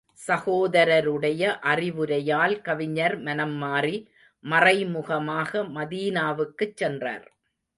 சகோதரருடைய அறிவுரையால் கவிஞர் மனம் மாறி, மறைமுகமாக மதீனாவுக்குச் சென்றார்.